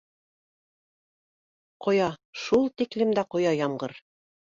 Ҡоя, шул тиклем дә ҡоя ямғыр